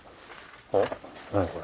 おっ何これ。